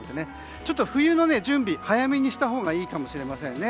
ちょっと冬の準備は早めにしたほうがいいかもしれないですね。